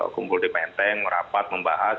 kumpul di menteng merapat membahas